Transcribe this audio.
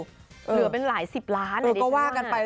เหลือเป็นหลายสิบล้านในนี้น่ะค่ะโอ้โหก็ว่ากันไป